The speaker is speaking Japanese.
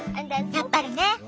やっぱりね！